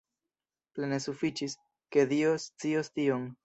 Plene sufiĉis, ke Dio scios tion.